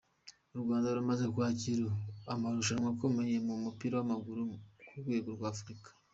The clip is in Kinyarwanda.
U Rwanda rumaze kwakira amarushanwa akomeye mu mupira w’amaguru ku rwego rwa Afurika.